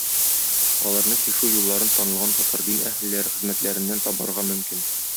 Аларны чишү юлларын танылган татар дин әһелләре хезмәтләреннән табарга мөмкин.